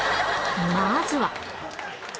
まずは。